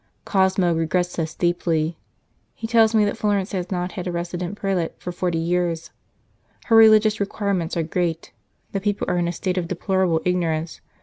Cosmo regrets this deeply ; he tells me that Florence has not had a resident prelate for forty years, her religious requirements are great, the people are in a state of deplorable ignorance.